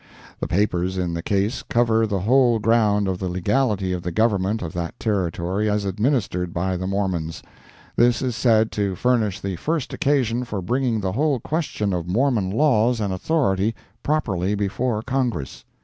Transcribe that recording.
The papers in the case cover the whole ground of the legality of the government of that Territory as administered by the Mormons. This is said to furnish the first occasion for bringing the whole question of Mormon laws and authority properly before Congress.